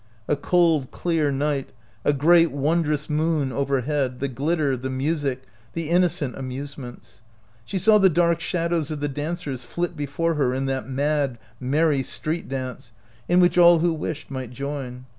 A cold, clear night, a great wondrous moon overhead, the glitter, the music, the inno cent amusements. She saw the dark shad ows of the dancers flit before her in that mad, merry street dance in which all who wished might join.